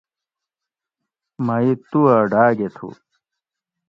مہ ئ تُو اۤ ڈاگہ تھو